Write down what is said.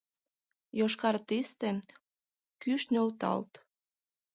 Йошкар тисте, кӱш нӧлталт!